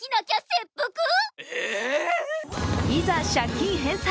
いざ借金返済。